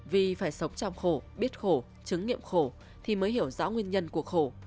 vì phải sống trong khổ biết khổ chứng nghiệm khổ thì mới hiểu rõ nguyên nhân của khổ